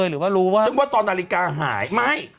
ซึ่งว่าตอนนาฬิกาหายไม่